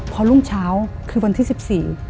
พอรุ่งเช้าคือวันที่๑๔